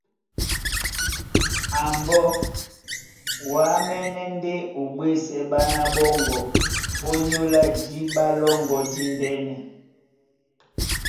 A mbɔ́, wǎmɛ́nɛ́ ndé o ɓwésɛ́ ɓána ɓɔ́ŋgɔ̄ ónyólá jǐɓa lɔ́ŋgɔ̄ díndɛ́nɛ.